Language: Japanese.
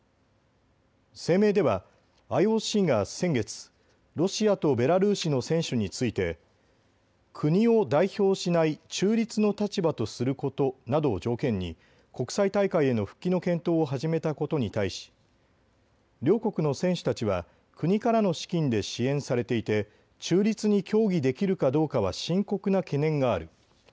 声明ではＩＯＣが先月、ロシアとベラルーシの選手について国を代表しない中立の立場とすることなどを条件に国際大会への復帰の検討を始めたことに対し、両国の選手たちは国からの資金で支援されていて中立に競技できるかどうかは深刻な懸念がある。